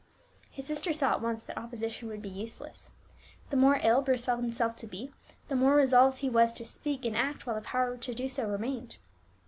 His sister saw at once that opposition would be useless. The more ill Bruce felt himself to be, the more resolved he was to speak and act while the power to do so remained.